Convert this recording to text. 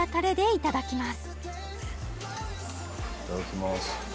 いただきます